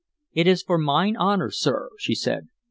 "It is for mine honor, sir," she said.